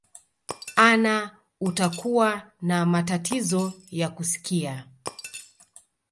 anna utakuwa na matatizo ya kusikia